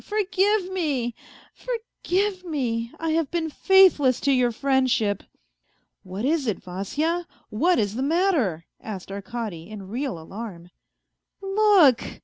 Forgive me, forgive me ! I have been faithless to your friendship ..."" What is it, Vasya ? What is the matter ?" asked Arkady, in real alarm. " Look